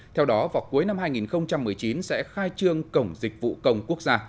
theo đó vào cuối năm hai nghìn một mươi chín sẽ khai trương cổng dịch vụ công quốc gia